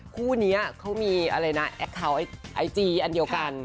คู่นี้เขามีแอคคาวไอจีอันเดียวกัน